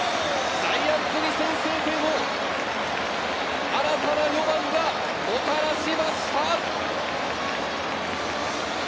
ジャイアンツに先制点を、新たな４番がもたらしました！